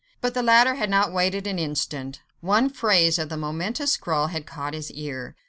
But the latter had not waited an instant. One phrase of the momentous scrawl had caught his ear.